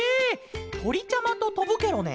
とりちゃまととぶケロね？